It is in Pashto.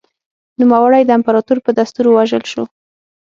نوموړی د امپراتور په دستور ووژل شو